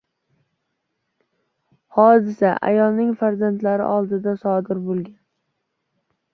Hodisa ayolning farzandlari oldida sodir bo‘lgan